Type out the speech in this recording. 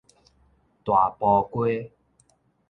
大埔街